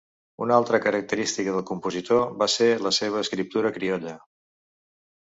Una altra característica del compositor va ser la seva escriptura criolla.